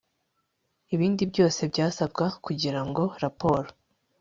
ibindi byose byasabwa kugira ngo raporo